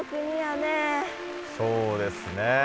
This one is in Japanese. そうですね。